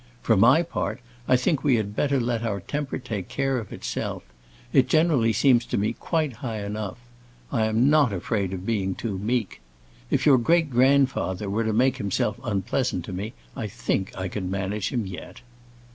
For my part I think we had better let our temper take care of itself; it generally seems to me quite high enough; I am not afraid of being too meek. If your great grandfather were to make himself unpleasant to me, I think I could manage him yet."